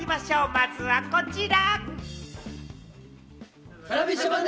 まずはこちら。